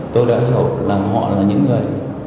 tôi đã hiểu là họ là những người